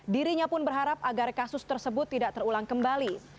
dirinya pun berharap agar kasus tersebut tidak terulang kembali